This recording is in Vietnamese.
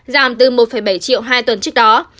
giảm từ một bảy triệu hai tuần trước đó